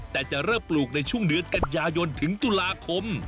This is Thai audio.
แต่จะเริ่มปลูกในช่วงเดือนกันยายนถึงตุลาคม